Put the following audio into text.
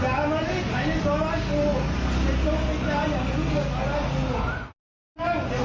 อย่ามารีดไข่ในตรงราคุจิตตรงจิตย้ายอย่ามารีดไข่ตรงราคุ